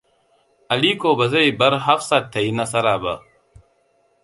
Aliko bazai bar Hafsat ta yi nasara ba.